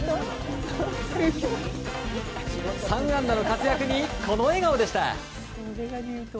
３安打の活躍にこの笑顔でした。